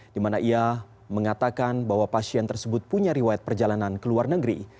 di mana ia mengatakan bahwa pasien tersebut punya riwayat perjalanan ke luar negeri